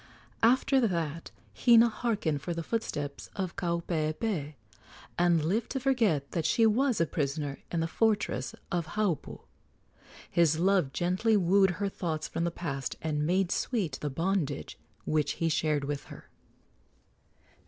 After that Hina harkened for the footsteps of Kaupeepee, and lived to forget that she was a prisoner in the fortress of Haupu. His love gently wooed her thoughts from the past and made sweet the bondage which he shared with her.